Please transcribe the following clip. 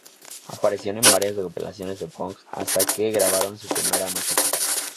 Aparecieron en varias recopilaciones de punk, hasta que grabaron su primera maqueta.